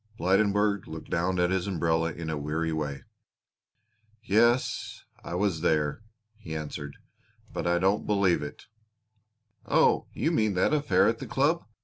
Blydenburg looked down at his umbrella in a weary way. "Yes, I was there," he answered, "but I don't believe it." "Oh, you mean that affair at the club.